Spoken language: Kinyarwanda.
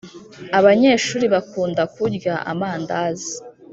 Abanyeshuri bakunda kurya amandazi